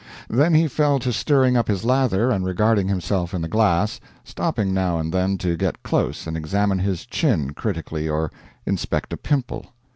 Then he fell to stirring up his lather and regarding himself in the glass, stopping now and then to get close and examine his chin critically or inspect a pimple.